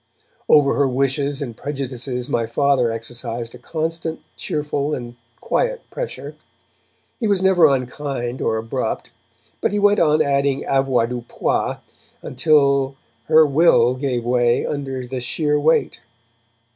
Over her wishes and prejudices my Father exercised a constant, cheerful and quiet pressure. He was never unkind or abrupt, but he went on adding avoirdupois until her will gave way under the sheer weight.